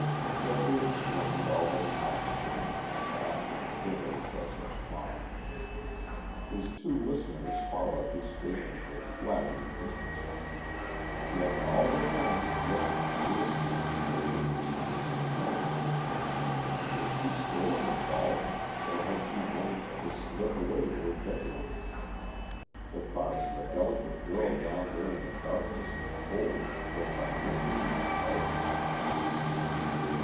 Geoffrey explained all that had happened during and after the dinner at Jessop's farm. His two listeners followed his statement with flattering interest. Yet all the time Geoffrey was listening intently for signs of Marion. Was she still in the vaults or had she managed to slip away to her bedroom? The thought of the delicate girl down there in the darkness and cold was by no means pleasant.